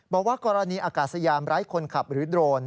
บอกว่ากรณีอากาศยานไร้คนขับหรือโดรน